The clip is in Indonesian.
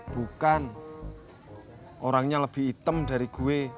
bukan orangnya lebih hitam dari gue